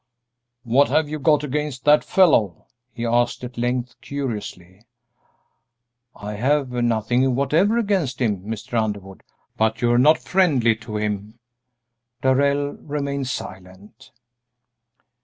"What have you got against that fellow?" he asked at length, curiously. "I have nothing whatever against him, Mr. Underwood." "But you're not friendly to him." Darrell remained silent.